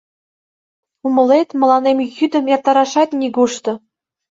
Умылет, мыланем йӱдым эртарашат нигушто...